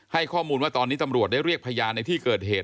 ให้ข้อมูลว่าตอนนี้ตำรวจได้เรียกพยานในที่เกิดเหตุ